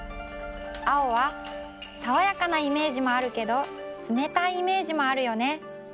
青はさわやかなイメージもあるけどつめたいイメージもあるよね。